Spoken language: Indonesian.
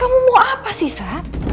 kamu mau apa sih sa